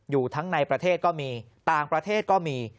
อยู่ทั้งในประเทศก็มีต่างประเทศก็มี